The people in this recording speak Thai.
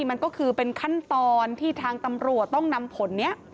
มันก็คือเป็นขั้นตอนที่ทางตำรวจต้องนำผลนี้